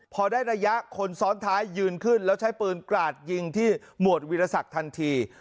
พอได้ระยะคนซ้อนท้ายยืนขึ้นแล้วใช้ปืนกราดยิงที่หมวดวิรสักทันที